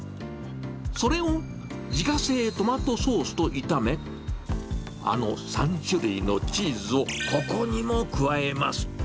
それを自家製トマトソースと炒め、あの３種類のチーズをここにも加えます。